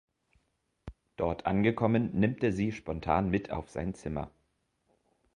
Dort angekommen, nimmt er sie spontan mit auf sein Zimmer.